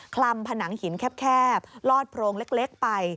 ลำผนังหินแคบลอดโพรงเล็กไป